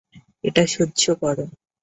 এটা সহ্য করো।